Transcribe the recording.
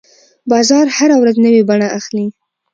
بازار هره ورځ نوې بڼه اخلي.